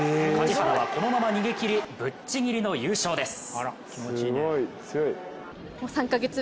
梶原はこのまま逃げ切りぶっちぎりの優勝です。